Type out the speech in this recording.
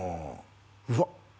うわっ